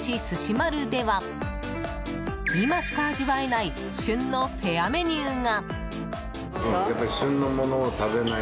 丸では今しか味わえない旬のフェアメニューが。